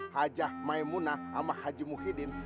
hajah maimunah amah haji muhyiddin